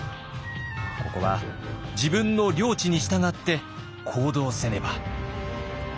ここは自分の良知に従って行動せねば。